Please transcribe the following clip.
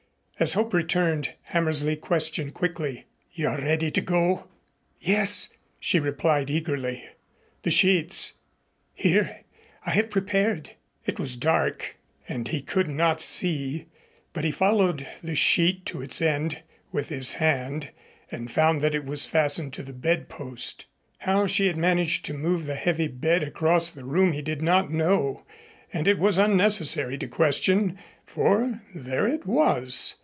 As hope returned, Hammersley questioned quickly: "You are ready to go?" "Yes," she replied eagerly. "The sheets?" "Here. I have prepared." It was dark and he could not see, but he followed the sheet to its end with his hand and found that it was fastened to the bedpost. How she had managed to move the heavy bed across the room he did not know, and it was unnecessary to question, for there it was.